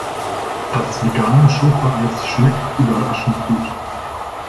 Das vegane Schokoeis schmeckt überraschend gut.